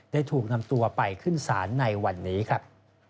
ได้ถูกนำตัวไปขึ้นศาลในวันนี้ครับ